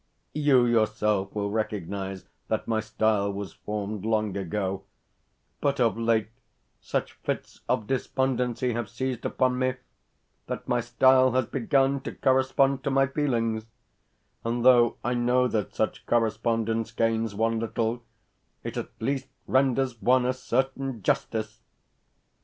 You yourself will recognise that my style was formed long ago, but of late such fits of despondency have seized upon me that my style has begun to correspond to my feelings; and though I know that such correspondence gains one little, it at least renders one a certain justice.